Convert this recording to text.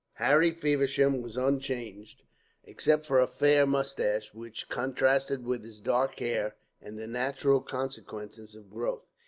Harry Feversham was unchanged, except for a fair moustache, which contrasted with his dark hair, and the natural consequences of growth.